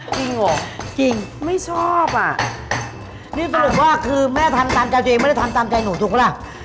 จริงเหรอจริงไม่ชอบอ่ะนี่สรุปว่าคือแม่ทำตามใจตัวเองไม่ได้ทำตามใจหนูถูกไหมล่ะ